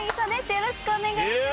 よろしくお願いします。